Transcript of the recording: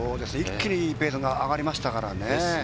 一気にペースが上がりましたからね。